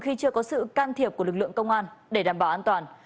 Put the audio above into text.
khi chưa có sự can thiệp của lực lượng công an để đảm bảo an toàn